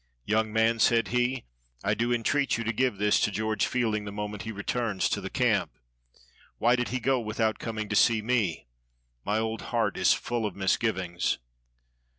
"Young man," said he, "I do entreat you to give this to George Fielding the moment he returns to the camp. Why did he go without coming to see me? my old heart is full of misgivings."